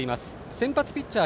先発ピッチャー